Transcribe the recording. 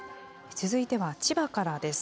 続いては千葉からです。